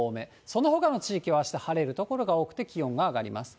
そのほかの地域はあした、晴れる所が多くて、気温が上がります。